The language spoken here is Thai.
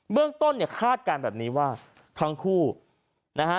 เรื่องต้นเนี่ยคาดการณ์แบบนี้ว่าทั้งคู่นะฮะ